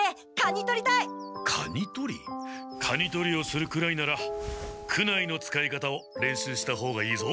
カニとりをするくらいなら苦無の使い方を練習した方がいいぞ！